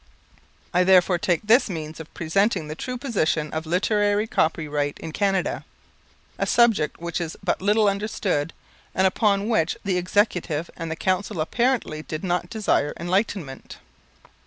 I therefore take this means of presenting the true position of literary copyright in Canada, a subject which is but little understood, and upon which the Executive and the Council apparently did not desire enlightenment.